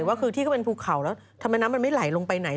ว่าคือที่ก็เป็นภูเขาแล้วทำไมน้ำมันไม่ไหลลงไปไหน